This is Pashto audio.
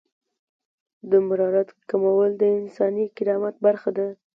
د مرارت کمول د انساني کرامت برخه ده.